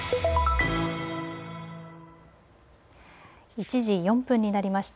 １時４分になりました。